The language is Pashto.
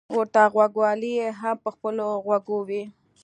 ورته غوږوالۍ يې هم په خپلو غوږو وې.